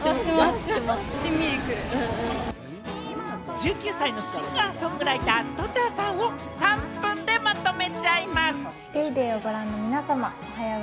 １９歳のシンガー・ソングライター、とたさんを３分でまとめちゃいます。